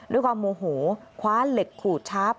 ด้วยความโมโหคว้าเหล็กขูดชาร์ฟ